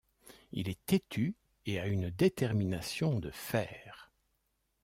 Il est têtu et a une détermination de fer.